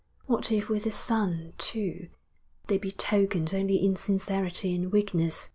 What if with the son, too, they betokened only insincerity and weakness?